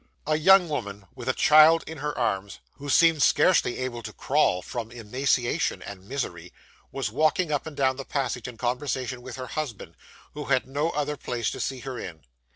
A young woman, with a child in her arms, who seemed scarcely able to crawl, from emaciation and misery, was walking up and down the passage in conversation with her husband, who had no other place to see her in.